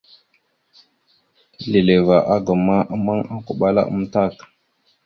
Asleva agam ma, ammaŋ okoɓala amətak.